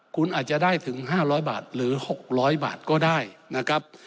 คุณอาจจะได้ถึง๕๐๐บาทหรือ๖๐๐บาทก็ได้นะครับ